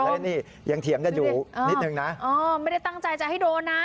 แล้วนี่ยังเถียงกันอยู่นิดนึงนะอ๋อไม่ได้ตั้งใจจะให้โดนนะ